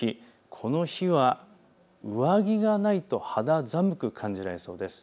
この日は上着がないと肌寒く感じられそうです。